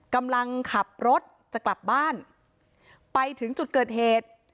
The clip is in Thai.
กำลังขับรถจะกลับบ้านไปถึงจุดเกิดเหตุ